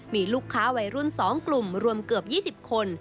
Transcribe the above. มีลูกค้าวัยรุ่น๒กลุ่มรวมเกือบ๒๐คน